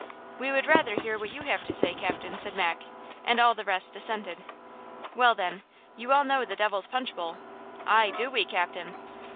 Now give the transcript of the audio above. "We would rather hear what you have to say, captain," said Mac; and all the rest assented. "Well, then, you all know the Devil's Punch Bowl!" "Aye, do we, captain!"